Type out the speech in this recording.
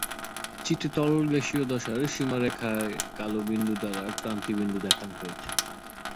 চিত্রে তরল-গ্যাসীয় দশার সীমা রেখায় কালো বিন্দু দ্বারা ক্রান্তি বিন্দু দেখানো হয়েছে।